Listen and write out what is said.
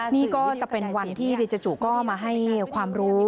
นี่ก็จะเป็นวันที่รีจูก็มาให้ความรู้